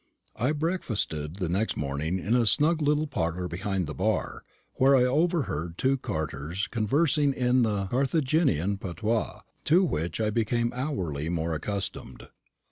I breakfasted next morning in a snug little parlour behind the bar, where I overheard two carters conversing in the Carthaginian patois, to which I became hourly more accustomed.